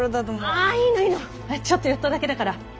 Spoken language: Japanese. ああいいのいいのちょっと寄っただけだから。